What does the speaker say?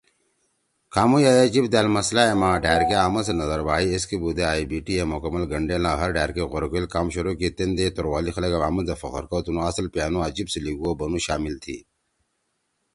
کھامُو یأ اے جیِب دأل مسئلہ ئے ما ڈھأرکے آمن سیت نہ دھربھائی، ایسکے بُودے ائی بی ٹی اے مکمل گھنڈیل آں ہر ڈھأر کے غورکوئیل کام شروع کی تیندے توروالی خلگا می آمن زید فخر کؤ، تُنُو آصل پیانُو آں جیِب سی لیِگو او بنُو شامل تھی۔